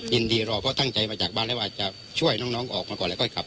รอเพราะตั้งใจมาจากบ้านแล้วว่าจะช่วยน้องออกมาก่อนแล้วค่อยขับ